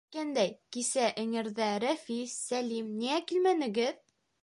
Әйткәндәй, кисә эңерҙә, Рәфис, Сәлим, ниңә килмәнегеҙ?